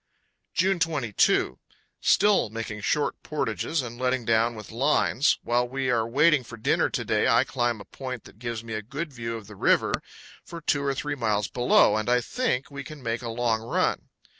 June 22. Still making short portages and letting down with lines. While we are waiting for dinner to day, I climb a point that gives me a good view of the river for two or three miles below, and I think we can make a long run.